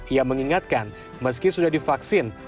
ia mengingatkan meski sudah divaksin